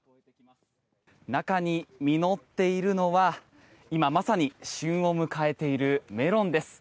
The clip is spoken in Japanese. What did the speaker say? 中に実っているのは今まさに旬を迎えているメロンです。